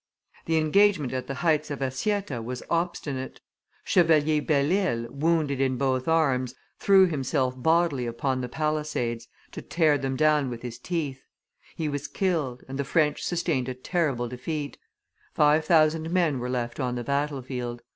The engagement at the heights of Assietta was obstinate; Chevalier Belle Isle, wounded in both arms, threw himself bodily upon the palisades, to tear them down with his teeth; he was killed, and the French sustained a terrible defeat; five thousand men were left on the battle field.